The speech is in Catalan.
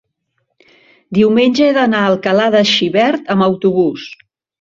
Diumenge he d'anar a Alcalà de Xivert amb autobús.